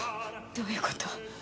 どういう事？